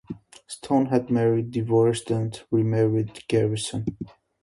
Stone had married, divorced, and remarried Garrison.